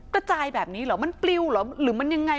กระจายแบบนี้เหรอมันปลิวเหรอหรือมันยังไง